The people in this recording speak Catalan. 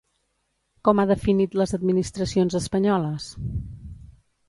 Com ha definit les administracions espanyoles?